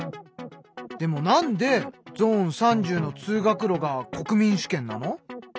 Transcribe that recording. でもなんでゾーン３０の通学路が国民主権なの？